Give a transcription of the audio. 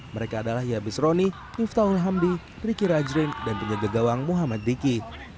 mereka adalah yabis roni miftahul hamdi riki rajrin dan penjaga gawang muhammad diki